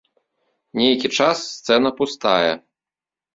Нейкі час сцэна пустая.